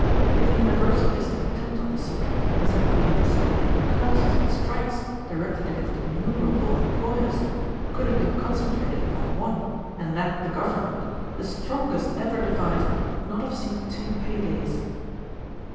If the universal discontent on this subject, instead of being dissipated in curses and strikes directed against innumerable employers, could have been concentrated upon one, and that the government, the strongest ever devised would not have seen two pay days."